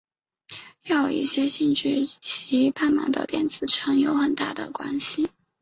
铕的一些性质和其半满的电子层有很大的关系。